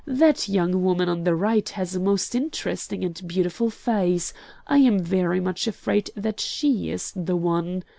That young woman on the right has a most interesting and beautiful face. I am very much afraid that she is the one.'